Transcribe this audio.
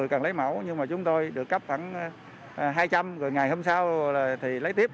chúng tôi được cấp khoảng hai trăm linh rồi ngày hôm sau thì lấy tiếp